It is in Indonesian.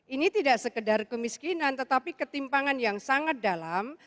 ini tidak sekedar kemiskinan tetapi ketimpangan yang sangat dalam